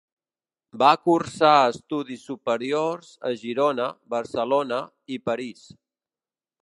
Va cursar estudis superiors a Girona, Barcelona i París.